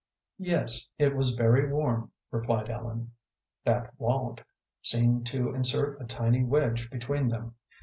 "Yes, it was very warm," replied Ellen. That "wa'n't" seemed to insert a tiny wedge between them.